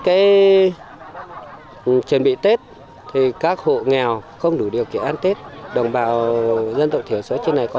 cái chuẩn bị tết thì các hộ nghèo không đủ điều kiện ăn tết đồng bào dân tộc thiểu số trên này có